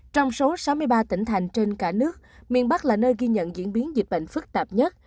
trong số sáu mươi ba tỉnh thành trên cả nước miền bắc là nơi ghi nhận diễn biến dịch bệnh phức tạp nhất